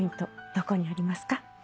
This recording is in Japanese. どこにありますか？